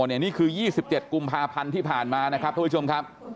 เนี่ยนี่คือยี่สิบเจ็ดกุมภาพันธ์ที่ผ่านมานะครับทุกผู้ชมครับ